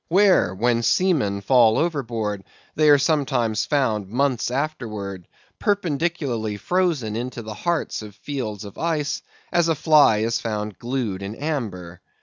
where, when seamen fall overboard, they are sometimes found, months afterwards, perpendicularly frozen into the hearts of fields of ice, as a fly is found glued in amber.